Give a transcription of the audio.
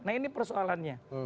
nah ini persoalannya